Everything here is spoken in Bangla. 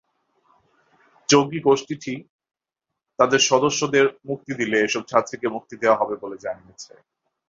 জঙ্গিগোষ্ঠীটি তাদের সদস্যদের মুক্তি দিলে এসব ছাত্রীকে মুক্তি দেওয়া হবে বলে জানিয়েছে।